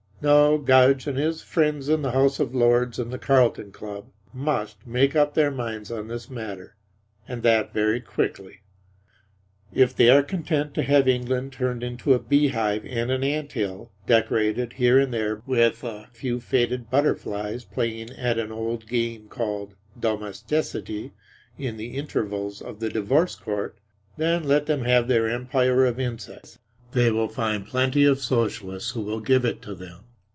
No, Gudge and his friends in the House of Lords and the Carlton Club must make up their minds on this matter, and that very quickly. If they are content to have England turned into a beehive and an ant hill, decorated here and there with a few faded butterflies playing at an old game called domesticity in the intervals of the divorce court, then let them have their empire of insects; they will find plenty of Socialists who will give it to them.